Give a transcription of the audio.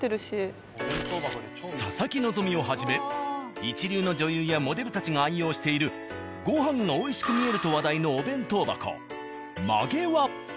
佐々木希をはじめ一流の女優やモデルたちが愛用しているご飯が美味しく見えると話題のお弁当箱。